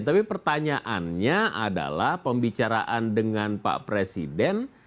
tapi pertanyaannya adalah pembicaraan dengan pak presiden